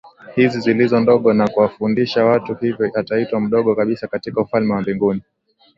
hizi zilizo ndogo na kuwafundisha watu hivyo ataitwa mdogo kabisa katika ufalme wa mbinguni